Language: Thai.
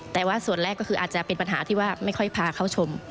แต่ว่าส่วนแรกก็คืออาจจะเป็นปัญหาที่ว่าไม่ค่อยพาเข้าชม